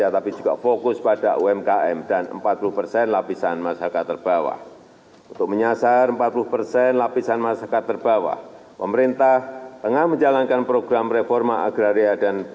tapi itu dia kami perejutkan